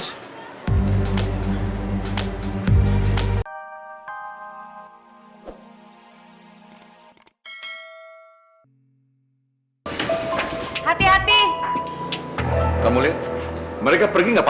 sampai ketemu di kelas